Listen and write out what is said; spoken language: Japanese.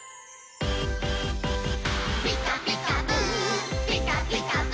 「ピカピカブ！ピカピカブ！」